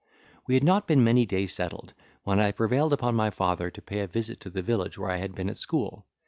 We had not been many days settled, when I prevailed upon my father to pay a visit to the village where I had been at school.